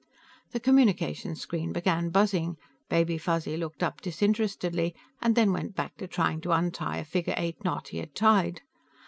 The communication screen began buzzing. Baby Fuzzy looked up disinterestedly, and then went back to trying to untie a figure eight knot he had tied.